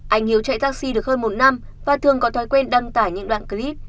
anh hiếu chạy taxi được hơn một năm và thường có thói quen đăng tải những đoạn clip